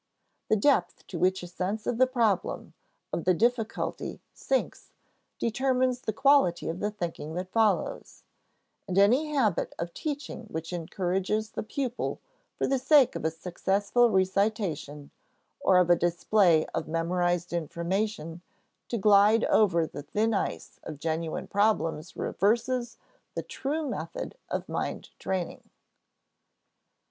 The depth to which a sense of the problem, of the difficulty, sinks, determines the quality of the thinking that follows; and any habit of teaching which encourages the pupil for the sake of a successful recitation or of a display of memorized information to glide over the thin ice of genuine problems reverses the true method of mind training.